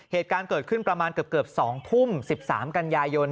เหตุการณ์เกิดขึ้นประมาณเกือบ๒ทุ่ม๑๓กันยายน